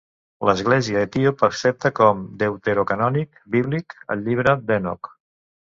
L'Església Etíop accepta com deuterocanònic bíblic el Llibre d'Henoc.